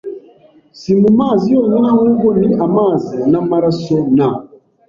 si mu mazi yonyine ahubwo ni amazi n amaraso na